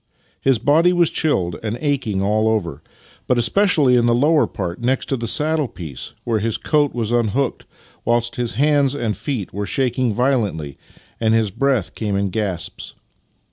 His body was chilled and aching all over, but especially in the lower part, next the saddle piece, where his coat was unhooked, whilst his hands and feet were shaking violently and his breath came in gasps.